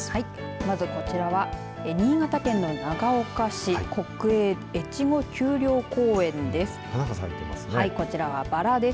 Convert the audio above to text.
まずこちらは新潟県の長岡市国営越後丘陵公園です。